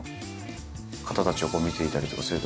方たちを見ていたりとかすると。